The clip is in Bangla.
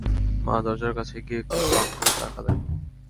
মা দরজার কাছে গিয়ে একটু ফাঁক করে তাকালেন।